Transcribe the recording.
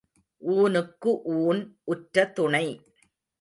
ஊனுக்கு ஊன் உற்ற துணை.